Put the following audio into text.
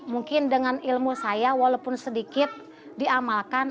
mungkin dengan ilmu saya walaupun sedikit diamalkan